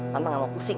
mama tidak mau pusing